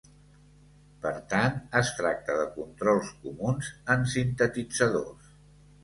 Per tant, es tracta de controls comuns en sintetitzadors.